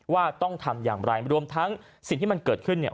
ว่าต้องทำอย่างไรรวมทั้งสิ่งที่มันเกิดขึ้นเนี่ย